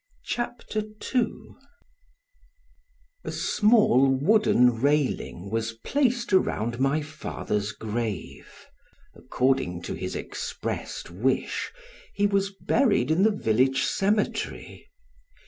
CHAPTER II A SMALL wooden railing was placed around my father's grave. According to his expressed wish, he was buried in the village cemetery.